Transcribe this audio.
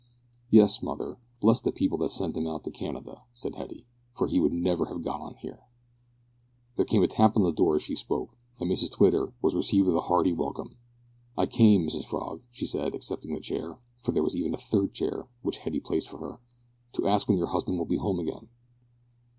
"Yes, mother. Bless the people that sent 'im out to Canada," said Hetty, "for he would never have got on here." There came a tap to the door as she spoke, and Mrs Twitter, entering, was received with a hearty welcome. "I came, Mrs Frog," she said, accepting the chair for there was even a third chair which Hetty placed for her, "to ask when your husband will be home again."